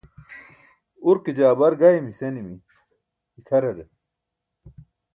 urke jaa bar gaymi senimi ikʰarar